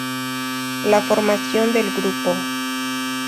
La formación del grupo.